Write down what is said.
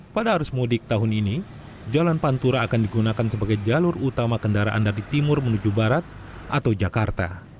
pada arus mudik tahun ini jalan pantura akan digunakan sebagai jalur utama kendaraan dari timur menuju barat atau jakarta